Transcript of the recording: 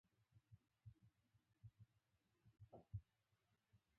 زما پښتو ژبه ډېره خوښه ده